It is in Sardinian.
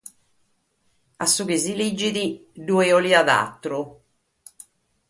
A su chi si leghet bi cheriat àteru.